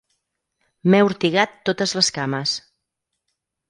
M'he ortigat totes les cames.